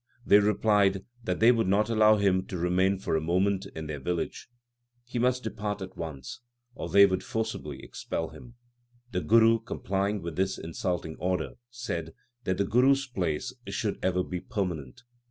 They replied that they would not allow him to remain for a moment in their village. He must LIFE OF GURU NANAK 107 depart at once, or they would forcibly expel him. The Guru, complying with this insulting order, said that the Guru s place should ever be permanent.